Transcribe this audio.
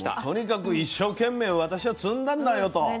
もうとにかく一生懸命私は摘んだんだよと。